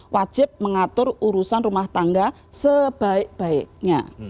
wajib mengatur urusan rumah tangga sebaik baiknya